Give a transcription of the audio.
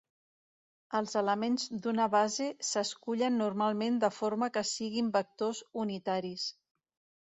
Els elements d'una base s'escullen normalment de forma que siguin vectors unitaris.